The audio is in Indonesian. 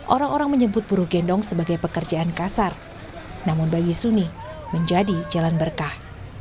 orang orang menyebut buru gendong sebagai pekerjaan kasar namun bagi suni menjadi jalan berkah